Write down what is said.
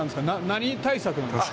何対策なんですか？